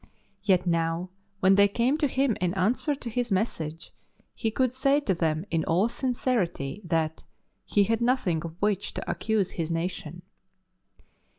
Yet now when they came to him in answer to his message, he could say to them in all sincerity that " he had nothing of which to accuse his nation."